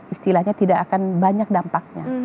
istilahnya tidak akan banyak dampaknya